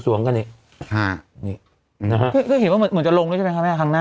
ท่านเห็นว่าเหมือนลงด้วยใช่ไหมครับ